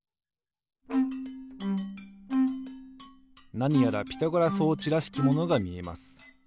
なにやらピタゴラ装置らしきものがみえます。